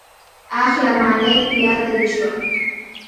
اخله مالې په ياده دې شوم.